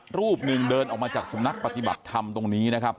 รูปหนึ่งเดินออกมาจากสำนักปฏิบัติธรรมตรงนี้นะครับ